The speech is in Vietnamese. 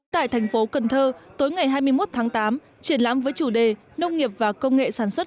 tại thành phố cần thơ tối ngày hai mươi một tháng tám triển lãm với chủ đề nông nghiệp và công nghệ sản xuất